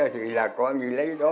thì là có người lấy đó